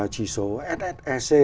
chỉ số ssec